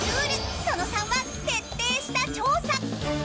その３は徹底した調査。